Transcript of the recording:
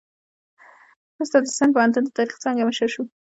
وروسته د سند پوهنتون د تاریخ څانګې مشر شو.